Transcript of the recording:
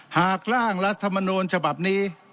หากร่างรัฐมนูลฉบับนี้